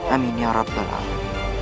amin ya rabbal alam